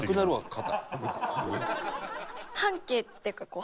半径っていうかこう。